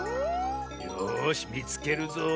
よしみつけるぞ。